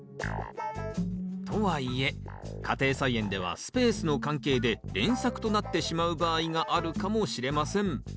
とはいえ家庭菜園ではスペースの関係で連作となってしまう場合があるかもしれません。